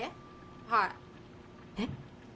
はいえっ？